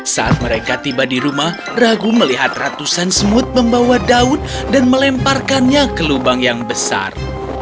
saat mereka tiba di rumah ragu melihat ratusan semut membawa daun dan melemparkannya ke lubang yang besar